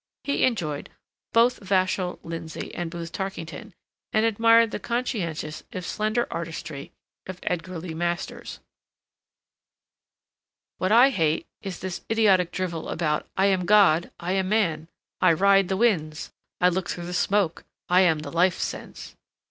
He enjoyed both Vachel Lindsay and Booth Tarkington, and admired the conscientious, if slender, artistry of Edgar Lee Masters. "What I hate is this idiotic drivel about 'I am God—I am man—I ride the winds—I look through the smoke—I am the life sense.